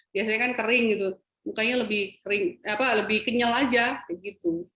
biasanya kan kering gitu mukanya lebih kering apa lebih kenyal aja gitu